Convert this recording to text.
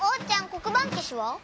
こくばんけしは？